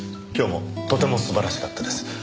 今日もとても素晴らしかったです。